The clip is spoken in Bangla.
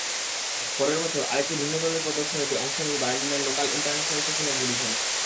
পরের বছর আরেকটি ভিন্নধর্মী প্রদর্শনীতে অংশ নিই বার্লিনের লোকাল ইন্টারন্যাশনাল ফ্যাশন এক্সিবিশনে।